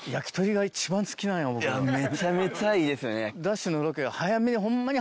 めちゃめちゃいいですよね。